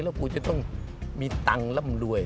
แล้วกูจะต้องมีตังค์แล้วรวย